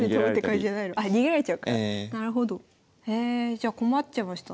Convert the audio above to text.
じゃ困っちゃいました。